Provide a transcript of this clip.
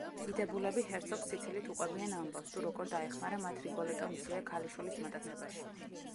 დიდებულები ჰერცოგს სიცილით უყვებიან ამბავს, თუ როგორ დაეხმარა მათ რიგოლეტო მისივე ქალიშვილის მოტაცებაში.